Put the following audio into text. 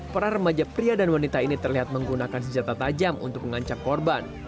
para remaja pria dan wanita ini terlihat menggunakan senjata tajam untuk mengancam korban